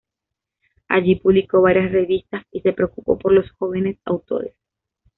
Allí publicó varias revistas y se preocupó por los jóvenes autores.